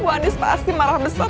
bu anies pasti marah besar